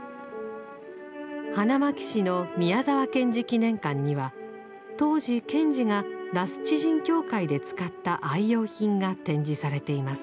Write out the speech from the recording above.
花巻市の宮沢賢治記念館には当時賢治が羅須地人協会で使った愛用品が展示されています。